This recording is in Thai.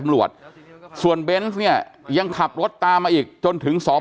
ตำรวจส่วนเบนส์เนี่ยยังขับรถตามมาอีกจนถึงสอง